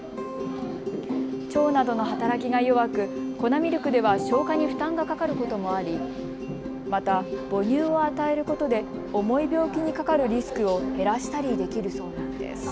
腸などの働きが弱く粉ミルクでは消化に負担がかかることもありまた母乳を与えることで重い病気にかかるリスクを減らしたりできるそうなんです。